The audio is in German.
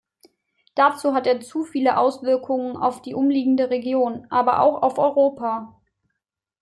Dazu hat er zu viele Auswirkungen auf die umliegende Region, aber auch auf Europa.